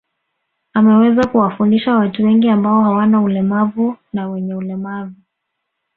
Ameweza kuwafundisha watu wengi ambao hawana ulemavu na wenye ulemavu